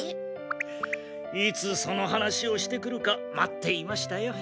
いつその話をしてくるか待っていましたよ。